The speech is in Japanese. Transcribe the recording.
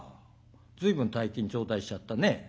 随分大金頂戴しちゃったね。